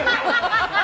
アハハハ！